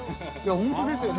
◆本当ですよね。